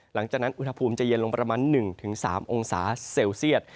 หลังจากนั้นอุณหภูมิจะเย็นลงประมาณ๑๓องศาเซลเซียต